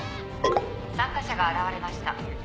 参加者が現れました。